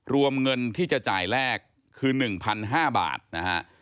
รวมเงินที่จะจ่ายแรกคือ๑๕๐๐บาทนะฮะ